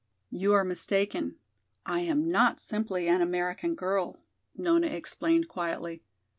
"You are mistaken. I am not simply an American girl," Nona explained quietly.